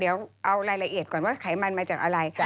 เดี๋ยวเอารายละเอียดก่อนว่าไขมันมาจากอะไร